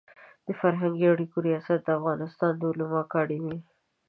د فرهنګي اړیکو ریاست د افغانستان د علومو اکاډمي